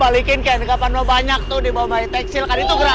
balikin kayaknya kapan lo banyak tuh dibawah teksil kan itu gerak